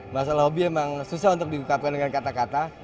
masalah hobi emang susah untuk dibuka dengan kata kata